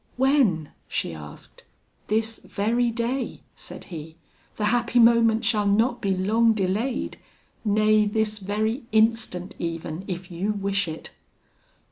'When?' she asked. 'This very day,' said he; 'the happy moment shall not be long delayed; nay, this very instant even, if you wish it.'